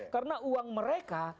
karena uang mereka itu